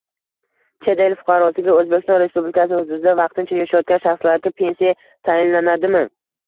Chet el fuqarosiga O‘zbekiston Respublikasi hududida vaqtincha yashayotgan shaxslarga pensiya tayinlanadimi?